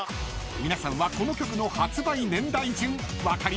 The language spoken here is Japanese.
［皆さんはこの曲の発売年代順分かりますか？］